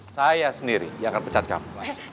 saya sendiri yang akan pecat kamu